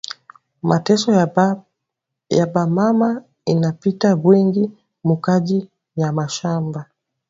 Mateso ya ba mama ina pita bwingi mu kaji ya mashamba